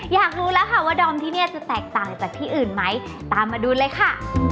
อยากรู้แล้วค่ะว่าดอมที่เนี่ยจะแตกต่างจากที่อื่นไหมตามมาดูเลยค่ะ